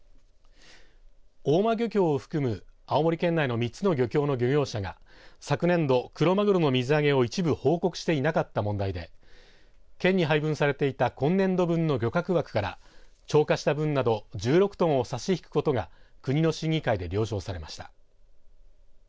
大間漁協を含む、青森県内の３つの漁協の漁業者が昨年度、クロマグロの水揚げを一部報告していなかった問題で県に配分されていた今年度分の漁獲枠から超過した分など１６トンを差し引くことが国の審議会で了承されました。